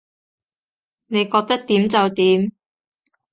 你覺得點就點